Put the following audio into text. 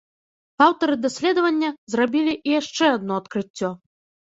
Аўтары даследавання зрабілі і яшчэ адно адкрыццё.